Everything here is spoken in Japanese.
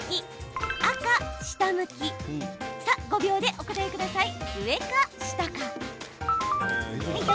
５秒でお答えください。